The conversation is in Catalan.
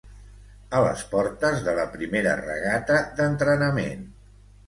A les portes de la primera regata d'entrenament